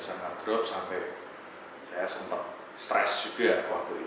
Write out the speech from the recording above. sangat drop sampai saya sempat stres juga waktu itu